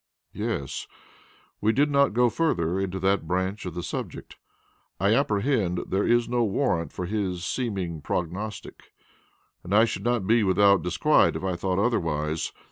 "Yes, we did not go further into that branch of the subject. I apprehend there is no warrant for his seeming prognostic, and I should not be without disquiet if I thought otherwise.